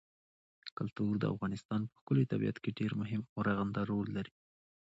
کلتور د افغانستان په ښکلي طبیعت کې یو ډېر مهم او رغنده رول لري.